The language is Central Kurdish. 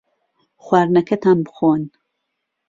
خواردنەکەتان بخۆن.